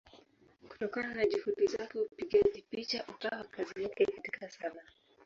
Kutokana na Juhudi zake upigaji picha ukawa kazi yake katika Sanaa.